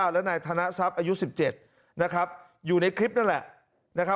และนายธนทรัพย์อายุ๑๗อยู่ในคลิปนั่นแหละ